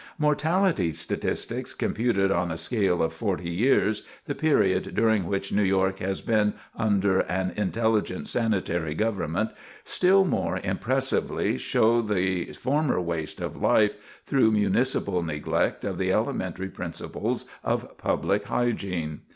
Mortality statistics computed on a scale of forty years, the period during which New York has been under an intelligent sanitary government, still more impressively show the former waste of life through municipal neglect of the elementary principles of public hygiene.